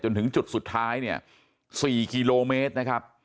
ถึงจุดสุดท้ายเนี่ย๔กิโลเมตรนะครับ